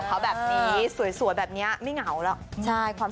เป็นกำลังใจพอแล้ว